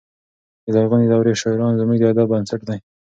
د لرغونې دورې شاعران زموږ د ادب بنسټ دی.